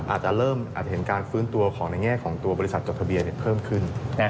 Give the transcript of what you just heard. อาจจะเริ่มอาจเห็นการฟื้นตัวของในแง่ของตัวบริษัทจดทะเบียนเพิ่มขึ้น